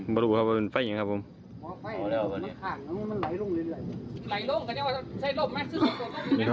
บนคนนี้คือทิวนครเพลลองดูคลิปเขาหน่อยค่ะ